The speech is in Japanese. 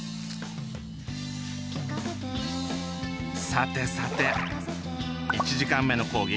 さてさて１時間目の講義